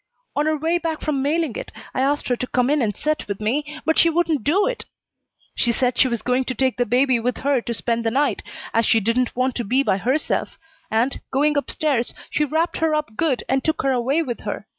"On her way back from mailing it I asked her to come in and set with me, but she wouldn't do it; she said she was going to take the baby with her to spend the night, as she didn't want to be by herself; and, going up stairs, she wrapped her up good and took her away with her.